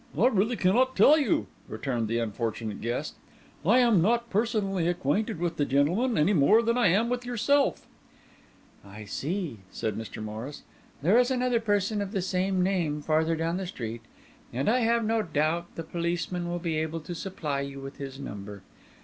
"I really cannot tell you," returned the unfortunate guest. "I am not personally acquainted with the gentleman, any more than I am with yourself." "I see," said Mr. Morris. "There is another person of the same name farther down the street; and I have no doubt the policeman will be able to supply you with his number.